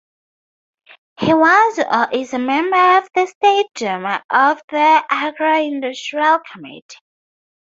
He was or is a member of the State Duma of the Agro-Industrial committee.